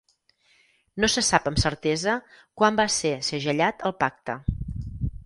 No se sap amb certesa quan va ser segellat el pacte.